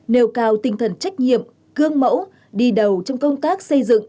nêu cao tinh thần trách nhiệm cương mẫu đi đầu trong công tác xây dựng